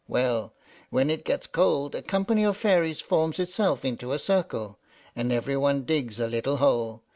Well, when it gets cold, a company of fairies forms itself into a circle, and every one digs a little hole.